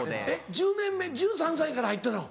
１０年目１３歳から入ってんの？